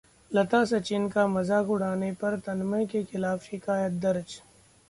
लता-सचिन का मजाक उड़ाने पर तन्मय के खिलाफ शिकायत दर्ज